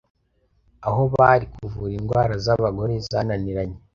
aho bari kuvura indwara z’abagore zananiranye